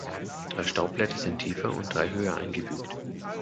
Drei Staubblätter sind tiefer und drei höher eingefügt.